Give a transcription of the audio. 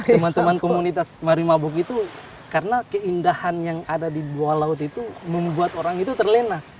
teman teman komunitas mari mabuk itu karena keindahan yang ada di bawah laut itu membuat orang itu terlena